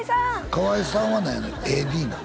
河合さんは何やのＡＤなの？